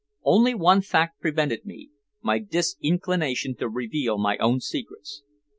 Only one fact prevented me my disinclination to reveal my own secrets.